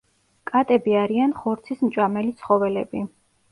კატები არიან ხორცისმჭამელი ცხოველები.